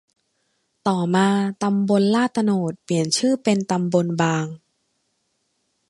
ต่อมา ตำบลลาดโตนดเปลี่ยนชื่อเป็น ตำบลบาง